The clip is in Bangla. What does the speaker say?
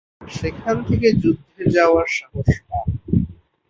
সেখান থেকে যুদ্ধে যাওয়ার সাহস পান।